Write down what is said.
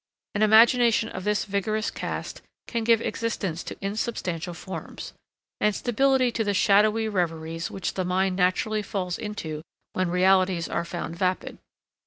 An imagination of this vigorous cast can give existence to insubstantial forms, and stability to the shadowy reveries which the mind naturally falls into when realities are found vapid.